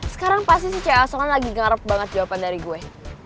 sekarang pasti si cea asong lagi ngarep banget jawaban dari gue